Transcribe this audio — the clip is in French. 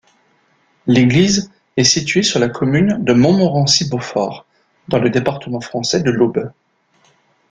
L'église est située sur la commune de Montmorency-Beaufort, dans le département français de l'Aube.